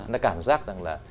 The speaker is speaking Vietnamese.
nó cảm giác rằng là